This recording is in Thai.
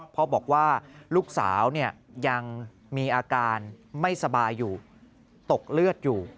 พ่อบอกว่าลูกสาวยังมีอาการไม่สบายอยู่ตกเลือดอยู่